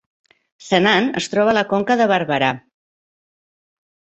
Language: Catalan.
Senan es troba a la Conca de Barberà